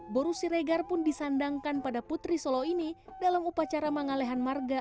boru siregar pun disandangkan pada putri solo ini dalam upacara mengalehan marga